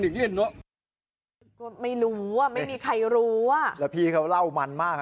นี่ที่เห็นเนอะไม่รู้อ่ะไม่มีใครรู้อ่ะแล้วพี่เขาเล่ามันมาก